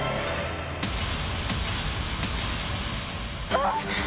あっ！